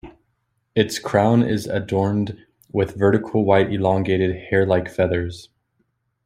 Its crown is adorned with vertical white elongated hair-like feathers.